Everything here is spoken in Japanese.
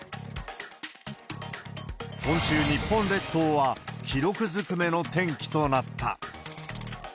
今週、日本列島は記録ずくめの天気となった。